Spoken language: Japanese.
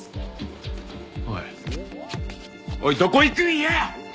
おいおいどこ行くんや！